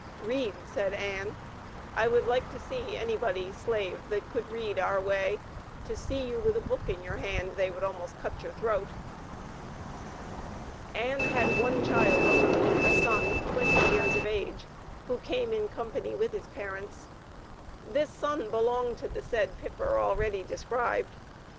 "Read," said Ann. "I would like to see anybody (slave) that could read our way; to see you with a book in your hand they would almost cut your throat." Ann had one child only, a son, twenty years of age, who came in company with his parents. This son belonged to the said Pipper already described.